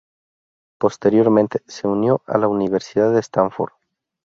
Posteriormente, se unió a la Universidad de Stanford.